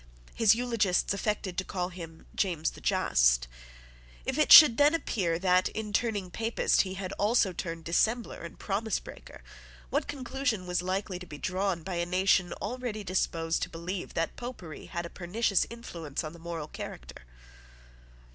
His eulogists affected to call him James the Just. If then it should appear that, in turning Papist, he had also turned dissembler and promisebreaker, what conclusion was likely to be drawn by a nation already disposed to believe that Popery had a pernicious influence on the moral character?